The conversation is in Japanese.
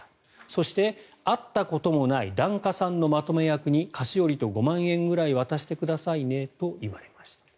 そして会ったこともない檀家さんのまとめ役に菓子折りと５万円くらい渡してくださいねと言われました。